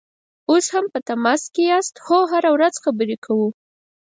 اوس هم په تماس کې یاست؟ هو، هره ورځ خبرې کوو